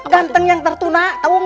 ganteng yang tertunak tau gak